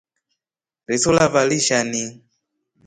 Riso lava lishani.